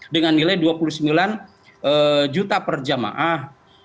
dengan nilai dua puluh sembilan juta per jemaah